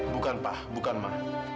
bukan pak bukan ma